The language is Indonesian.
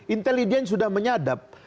intelijen sudah menyadap